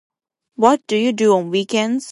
What do you do on weekends?